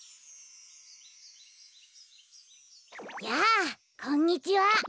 やあこんにちは。